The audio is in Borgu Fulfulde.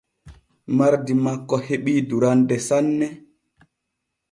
Mardi makko hebii durande sanne.